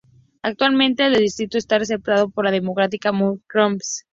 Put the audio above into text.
Actualmente el distrito está representado por el Demócrata Matt Cartwright.